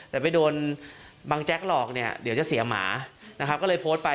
แต่ไปโดนบังแจ๊กหลอกเนี่ยเดี๋ยวจะเสียหมานะครับก็เลยโพสต์ไป